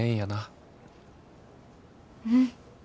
うん。